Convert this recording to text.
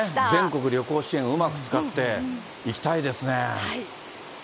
全国旅行支援をうまく使って行きたいですね。